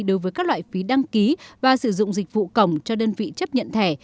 đối với các loại phí đăng ký và sử dụng dịch vụ cổng cho đơn vị chấp nhận thẻ